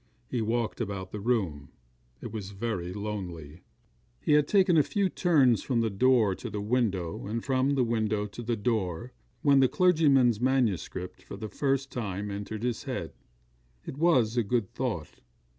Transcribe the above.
He walked about the room it was very lonely. He had taken a few turns from the door to the window, and from the window to the door, when the clergyman's manuscript for the first time entered his head. It was a good thought.